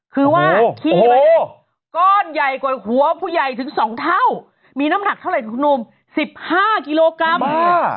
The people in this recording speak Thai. คือว่าขี้มันก้อนใหญ่กว่าหัวผู้ใหญ่ถึงสองเท่ามีน้ำหนักเท่าไหร่คุณหนุ่มสิบห้ากิโลกรัม